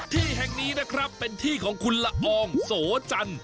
ที่แห่งนี้นะครับเป็นที่ของคุณละอองโสจันทร์